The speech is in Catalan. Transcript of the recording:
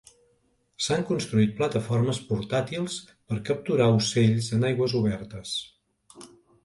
S'han construït plataformes portàtils per a capturar ocells en aigües obertes.